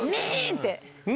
って。